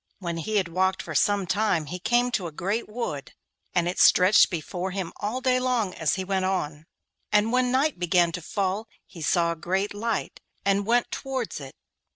When he had walked for some time he came to a great wood, and it stretched before him all day long as he went on, and when night began to fall he saw a great light, and went towards it.